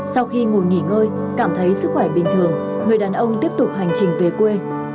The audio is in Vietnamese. sau khi ngồi nghỉ ngơi cảm thấy sức khỏe bình thường người đàn ông tiếp tục hành trình về quê